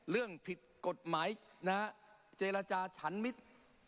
เรื่องผิดกฎหมายนะฮะเจรจาฉันมิตร